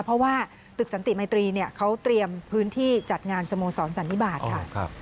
เพราะว่าตึกสันติมัยตรีเขาเตรียมพื้นที่จัดงานสโมสรสันนิบาทค่ะ